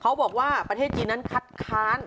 บอกว่าประเทศจีนนั้นคัดค้าน